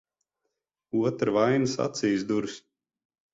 Otra vainas acīs duras.